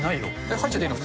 入っちゃっていいの？